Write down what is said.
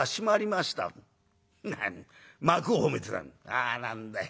「あ何だい。